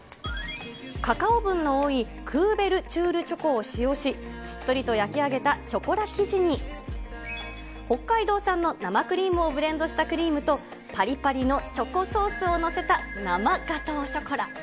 カカオ分の多いクーベルチュールチョコを使用し、しっとりと焼き上げたショコラ生地に、北海道産の生クリームをブレンドしたクリームと、ぱりぱりのチョコソースを載せた生ガトーショコラ。